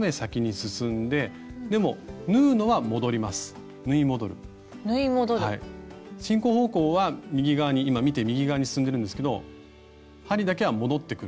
進行方向は今見て右側に進んでるんですけど針だけは戻ってくる。